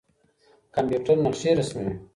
کمپيوټر نقشې رسموي.